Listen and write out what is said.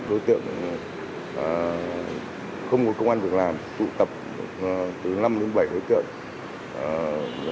đối tượng không có công an việc làm tụ tập từ năm đến bảy đối tượng